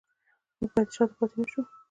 موږ باید شاته پاتې نشو